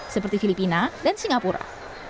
seperti filipina dan singapura